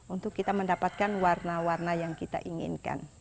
untuk kita mendapatkan warna warna yang kita inginkan